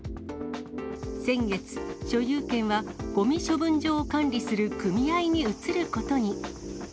先月、所有権はごみ処分場を管理する組合に移ることに。